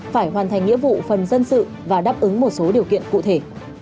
phải hoàn thành nghĩa vụ phần dân sự và đáp ứng một số điều kiện cụ thể